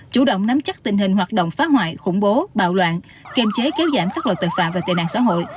chủ động nắm chắc tình hình hoạt động phá hoại khủng bố bạo loạn kiềm chế kéo giảm các loại tội phạm và tệ nạn xã hội